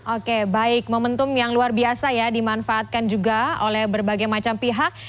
oke baik momentum yang luar biasa ya dimanfaatkan juga oleh berbagai macam pihak